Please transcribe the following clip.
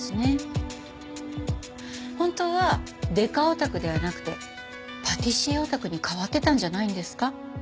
本当はデカオタクではなくてパティシエオタクに変わってたんじゃないんですか？